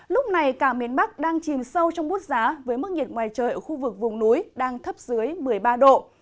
lúc này cả miền bắc đang chìm sâu trong bút giá với mức nhiệt ngoài trời ở khu vực vùng núi đang thấp dưới một mươi ba độ